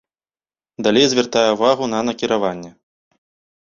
Далей звяртае ўвагу на накіраванне.